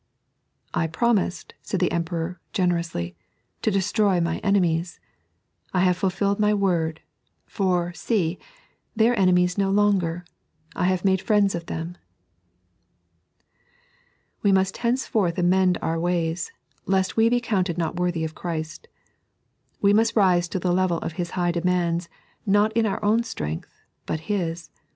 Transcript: " I promised," said the Emperor, generously, " to destroy my enemies. I have fulfilled my word ; for, see, they are enemies no longer ; I have made friends of them." We must henceforth amend our ways, lest we be counted not worthy of Christ. "We must rise to the level of Hib high demands, not in our own strength, but His.